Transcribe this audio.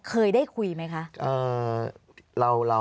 เคยได้คุยไหมคะ